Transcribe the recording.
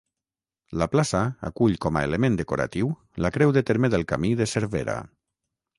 La plaça acull com a element decoratiu la creu de terme del camí de Cervera.